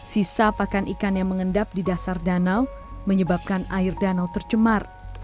sisa pakan ikan yang mengendap di dasar danau menyebabkan air danau tercemar